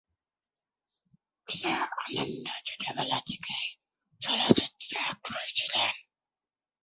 প্রিয়া আনন্দ ছোটবেলা থেকেই চলচ্চিত্রে আগ্রহী ছিলেন।